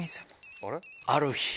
ある日。